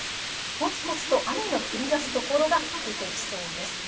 ぽつぽつと雨の降りだすところが出てきそうです。